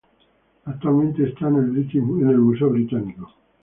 Actualmente está en el British Museum.